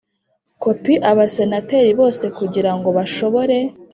Kopi abasenateri bose kugira ngo bashobore